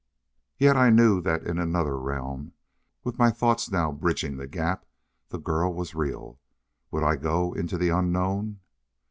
Yet I knew that in another realm, with my thoughts now bridging the gap, the girl was real. Would I go into the unknown?